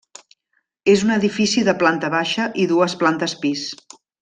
És un edifici de planta baixa i dues plantes pis.